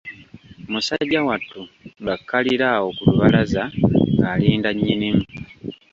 Musajja wattu ng'akkalira awo ku lubalaza ng'alinda nnyinimu.